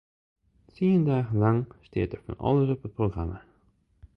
Tsien dagen lang stiet der fan alles op it programma.